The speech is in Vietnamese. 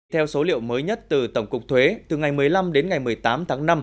theo số liệu mới nhất từ tổng cục thuế từ ngày một mươi năm đến ngày một mươi tám tháng năm